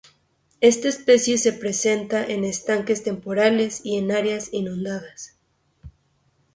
Esta especie se presenta en estanques temporales, y en áreas inundadas.